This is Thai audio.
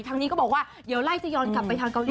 ทางนี้ก็บอกว่าเดี๋ยวไล่จะย้อนกลับไปทางเกาหลี